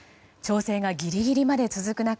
調整がギリギリまで続く